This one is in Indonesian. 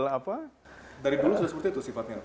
apa dari dulu sudah seperti itu sifatnya